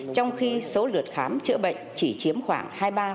trong khi số lượt khám chữa bệnh chỉ chiếm khoảng hai mươi ba